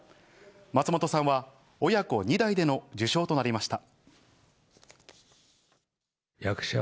松本さんは親子２代での受賞となりました。